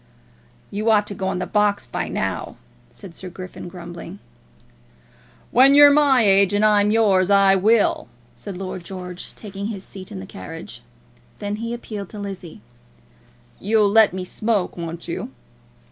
"You ought to go on the box now," said Sir Griffin, grumbling. "When you're my age, and I'm yours, I will," said Lord George, taking his seat in the carriage. Then he appealed to Lizzie. "You'll let me smoke, won't you?"